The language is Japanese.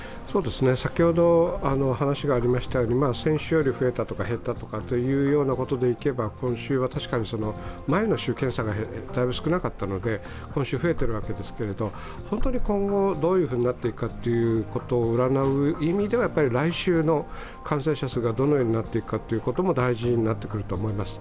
先ほど話がありましたように、先週より増えたとか減ったということでいえば、確かに前の週、検査がだいぶ少なかったので今週増えているわけですが、本当に今後、どういうふうになっていくかということを占う意味ではやっぱり来週の感染者数がどのようになってくかというのも大事になってくると思います。